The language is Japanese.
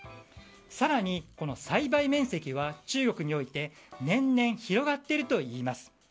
更に、栽培面積は中国において年々広がっているといいます。